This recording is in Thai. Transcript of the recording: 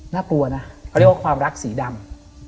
น่ากลัวนะเขาเรียกว่าความรักสีดำ